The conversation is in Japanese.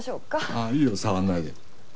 ああいいよ触んないで。